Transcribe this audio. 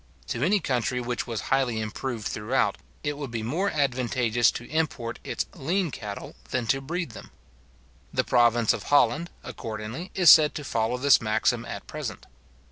To any country which was highly improved throughout, it would be more advantageous to import its lean cattle than to breed them. The province of Holland, accordingly, is said to follow this maxim at present.